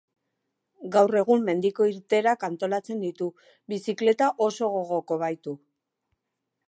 Gaur egun, mendiko irteerak antolatzen ditu, bizikleta oso gogoko baitu.